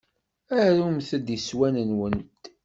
Arumt-d iswan-nwent.